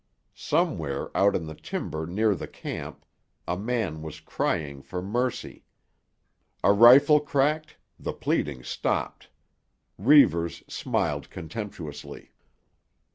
Somewhere out in the timber near the camp a man was crying for mercy. A rifle cracked; the pleading stopped. Reivers smiled contemptuously.